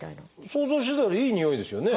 想像してたよりいいにおいですよね。